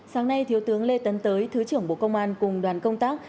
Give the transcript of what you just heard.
sáng nay thiếu tướng lê tấn tới thứ trưởng bộ công an cùng đoàn công tác